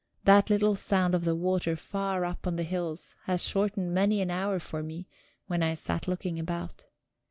That little sound of the water far up on the hills has shortened many an hour for me when I sat looking about.